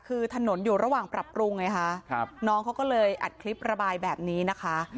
คือถนนอยู่ระหว่างปรับปรุงไงคะน้องเขาก็เลยอัดคลิประบายแบบนี้นะคะ